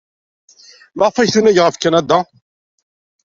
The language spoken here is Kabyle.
Maɣef ay tunag ɣef Kanada?